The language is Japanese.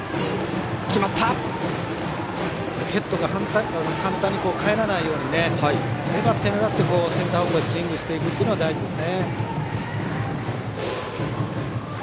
ヘッドが簡単に返らないように粘って、粘ってセンター方向へスイングしていくのが大事です。